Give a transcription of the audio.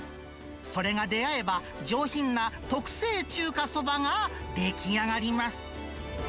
それが出会えば、上品な特製中華そばが出来上がります。